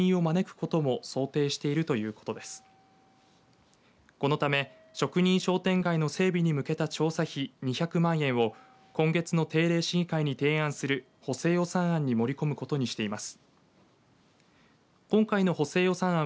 このため、職人商店街の整備に向けた調査費２００万円を今月の定例市議会に提案する補正予算案に盛り込むことにしています。